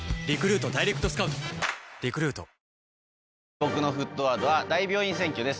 僕の沸騰ワードは『大病院占拠』です。